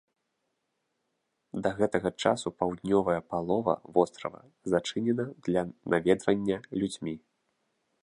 Да гэтага часу паўднёвая палова вострава зачынена для наведвання людзьмі.